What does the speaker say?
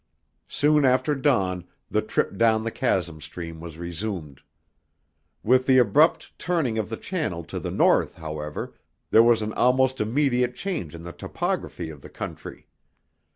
Soon after dawn the trip down the chasm stream was resumed. With the abrupt turning of the channel to the north, however, there was an almost immediate change in the topography of the country.